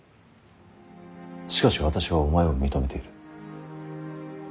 しかし私はお前を認めている。